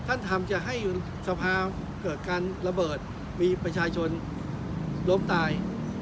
ท่านทำจะให้สภาเกิดการระเบิดมีประชาชนล้มตาย